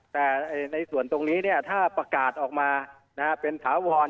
แต่ในส่วนตรงนี้ถ้าประกาศออกมาเป็นถาวร